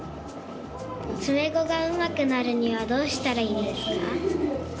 詰碁がうまくなるにはどうしたらいいんですか？